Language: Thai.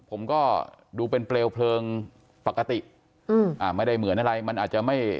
ผมก็ดูเป็นเปลวเพลิงปกติอืมอ่าไม่ได้เหมือนอะไรมันอาจจะไม่